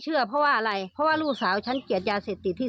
เชื่อเพราะว่าอะไรเพราะว่าลูกสาวฉันเกลียดยาเสพติดที่